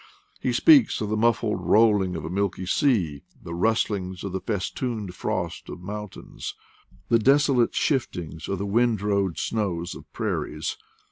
He speaks of the muffled rolling of a milky sea; the rustlings of the festooned 112 IDLE DATS IN PATAGONIA! frost of mountains; the desolate shif tings of the windrowed snows of prairies.